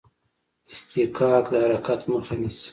اصطکاک د حرکت مخه نیسي.